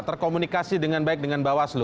terkomunikasi dengan baik dengan bawaslu